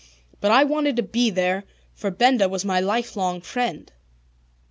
But I wanted to be there, for Benda was my lifelong friend.